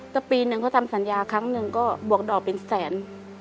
ถ้าปีนึงเขาทำสัญญาครั้งหนึ่งก็บวกดอกเป็นแสน